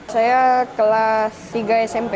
saya kelas tiga smp